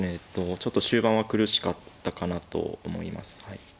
ちょっと終盤は苦しかったかなと思います。